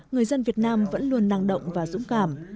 người dân việt nam vẫn luôn năng động và dũng cảm